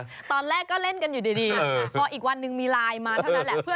ตอนแรกก็เล่นกันอยู่ดีพออีกวันหนึ่งมีไลน์มาเท่านั้นแหละ